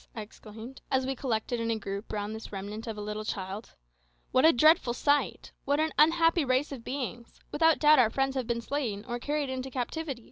I exclaimed, as we collected in a group round this remnant of a little child, "what a dreadful sight! What an unhappy race of beings! Without doubt our friends have been slain, or carried into captivity."